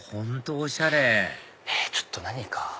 おしゃれちょっと何か。